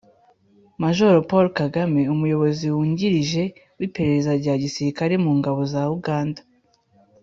majoro paul kagame: umuyobozi wungirije w'iperereza rya gisisirikari mu ngabo za uganda